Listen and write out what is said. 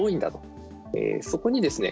そこにですね